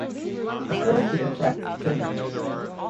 Of course it attracts children.